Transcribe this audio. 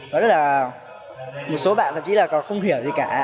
và rất là một số bạn thậm chí còn không hiểu gì cả